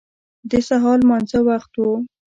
د سهار لمانځه وخت و.